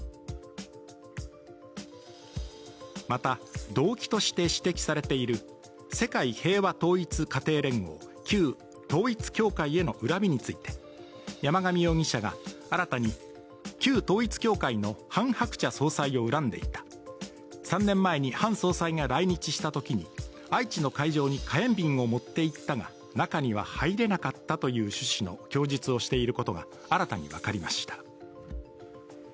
また、動機として指摘されている世界平和統一家庭連合、旧統一教会への恨みについて山上容疑者が新たに、旧統一教会のハン・ハクチャ総裁を恨んだ板、３年前にハン総裁が来日したときに愛知の会場に火炎瓶を持っていったが、中には入れなかったという趣旨の供述をしていることが新たに分かりました。